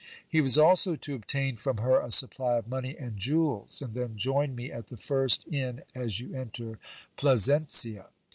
He was also to obtain from her a supply of money and jewels, and then join me at the first inn as you enter Plazencia.